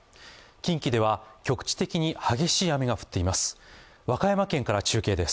近畿では局地的に激しい雨が降っています。